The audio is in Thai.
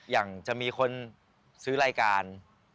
อย่างจะมีคนซื้อรายการ